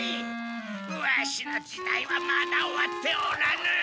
ワシの時代はまだ終わっておらぬ！